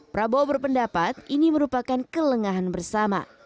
prabowo berpendapat ini merupakan kelengahan bersama